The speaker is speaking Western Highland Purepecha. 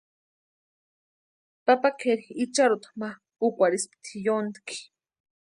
Papa kʼeri icharhuta ma úkwarhispti yóntki.